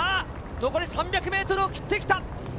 残り３００ｍを切ってきた。